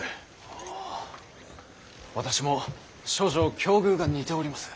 おぉ私も少々境遇が似ております。